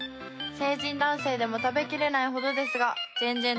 「成人男性でも食べきれないほどですがジェンジェン